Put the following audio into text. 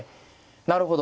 なるほど。